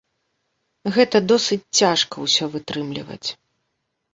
Гэта досыць цяжка ўсё вытрымліваць.